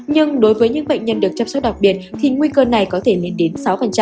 nhưng đối với những bệnh nhân được chăm sóc đặc biệt thì nguy cơ này có thể lên đến sáu